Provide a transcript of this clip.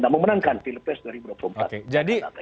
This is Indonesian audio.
dan memenangkan pilpres dua ribu dua puluh empat